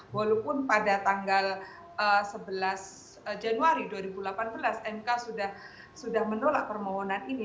walaupun pada tanggal sebelas januari dua ribu delapan belas mk sudah menolak permohonan ini